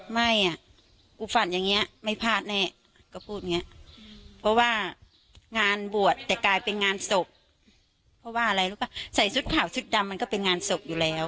ไม่อ่ะกูฝันอย่างนี้ไม่พลาดแน่ก็พูดอย่างเงี้ยเพราะว่างานบวชแต่กลายเป็นงานศพเพราะว่าอะไรรู้ป่ะใส่ชุดขาวชุดดำมันก็เป็นงานศพอยู่แล้ว